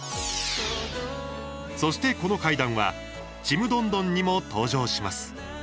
そして、この階段は「ちむどんどん」にも登場します。